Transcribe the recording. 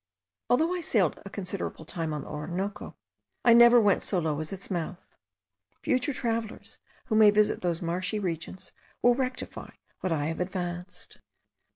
Though I sailed a considerable time on the Orinoco, I never went so low as its mouth. Future travellers, who may visit those marshy regions, will rectify what I have advanced.